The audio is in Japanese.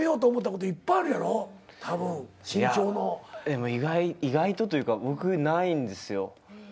でも意外とというか僕ないんですよ。